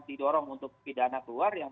didorong untuk pidana keluar yang